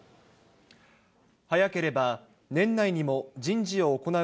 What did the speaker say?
早ければ年内にも人事を行う